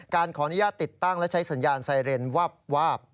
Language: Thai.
ขออนุญาตติดตั้งและใช้สัญญาณไซเรนวาบ